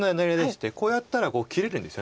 こうやったら切れるんですよね。